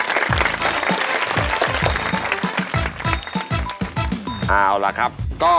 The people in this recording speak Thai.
พร้อมครับ